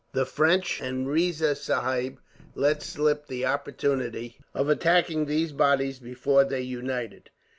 The French and Riza Sahib let slip the opportunity of attacking these bodies, before they united.